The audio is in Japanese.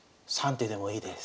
３手でもいいです。